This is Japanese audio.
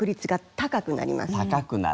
高くなります。